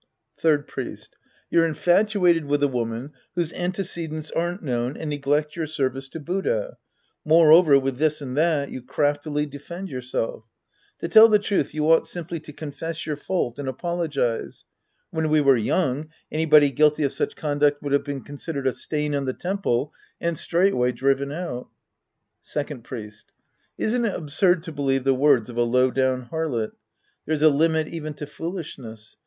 Third Priest. You're infatuated with a woman whose antecedents aren't known and neglect your service to Buddha ; moreover, with this and that, you craftily defend yourself To tell the truth, you ought simply to confess your fault and apologize. When we were young, anybody guilty of such con duct would have been considered a stain on the temple and straightway driven out. Second Priest. Isn't it absurd to believe the words of a low down harlot ? There's a limit even to foolish ness.